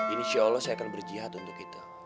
insya allah saya akan berjihad untuk kita